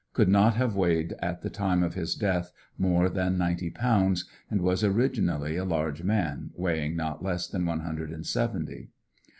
Could not have weighed at the time of his death more than ninety pounds, and was originally a large man, weighing not less than one hundred and seventy.